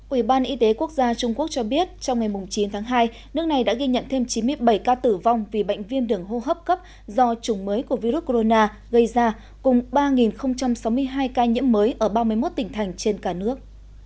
ủy ban y tế quốc gia trung quốc cho biết trong ngày chín tháng hai nước này đã ghi nhận thêm chín mươi bảy ca tử vong vì bệnh viêm đường hô hấp cấp do chủng mới của virus corona gây ra cùng ba sáu mươi hai ca nhiễm mới ở ba mươi một tỉnh thành trên cả nước